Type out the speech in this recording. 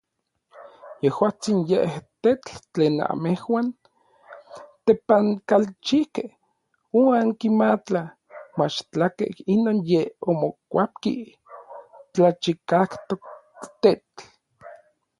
Yejuatsin yej n tetl tlen anmejuan tepankalchijkej oankimatla machtlakej inon yen omokuapki tlachikajtok tetl.